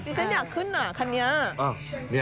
ฉันอยากขึ้นน่ะคันนี้